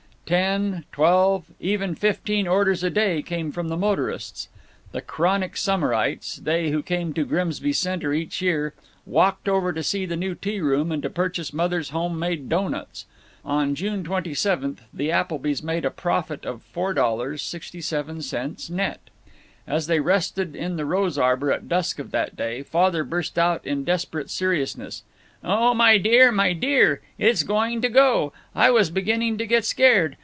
Ten, twelve, even fifteen orders a day came from the motorists. The chronic summerites, they who came to Grimsby Center each year, walked over to see the new tea room and to purchase Mother's home made doughnuts. On June 27th the Applebys made a profit of $4.67, net. As they rested in the rose arbor at dusk of that day, Father burst out in desperate seriousness: "Oh my dear, my dear, it is going to go! I was beginning to get scared.